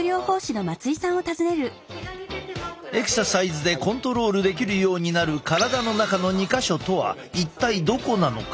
エクササイズでコントロールできるようになる体の中の２か所とは一体どこなのか？